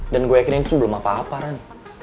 dan gue yakin ini tuh belum apa apa ran